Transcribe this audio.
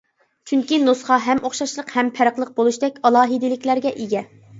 چۈنكى نۇسخا ھەم ئوخشاشلىق، ھەم پەرقلىق بولۇشتەك ئالاھىدىلىكلەرگە ئىگە.